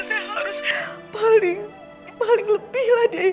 saya harus paling paling lebih lah dei